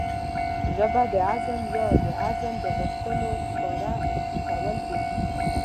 ژبه د عزم يا د عزم د غوښتنو ښکاره کول دي.